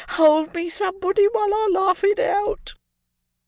Hold me, somebody, while I laugh it out."